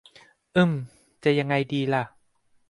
อืม จะยังไงดีล่ะ